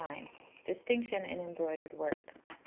Distinction in Embroidered Work.